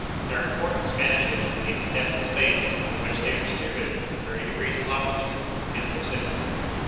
Their importance vanishes when the extent of the space over which they are distributed (thirty degrees of longitude) is considered."